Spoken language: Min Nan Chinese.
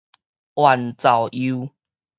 援巢右